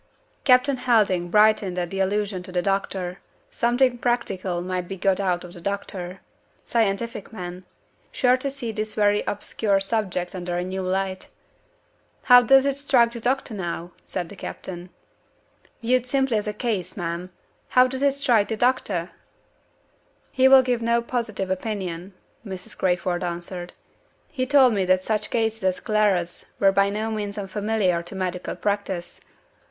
Captain Helding brightened at the allusion to the doctor. Something practical might be got out of the doctor. Scientific man. Sure to see this very obscure subject under a new light. "How does it strike the doctor now?" said the captain. "Viewed simply as a Case, ma'am, how does it strike the doctor?" "He will give no positive opinion," Mrs. Crayford answered. "He told me that such cases as Clara's were by no means unfamiliar to medical practice.